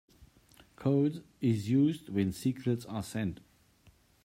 Code is used when secrets are sent.